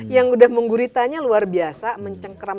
yang udah mengguritanya luar biasa mencengkram